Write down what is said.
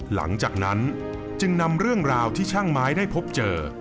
หลังจากนั้นจึงนำเรื่องราวที่ช่างไม้ได้พบเจอ